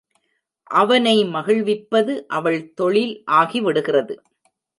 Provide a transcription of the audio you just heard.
அவனை மகிழ்விப்பது அவள் தொழில் ஆகி விடுகிறது.